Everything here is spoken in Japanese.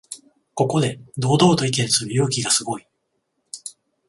ここで堂々と意見する勇気がすごい